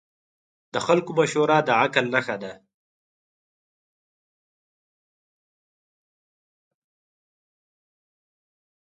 د خلکو مشوره د عقل نښه ده.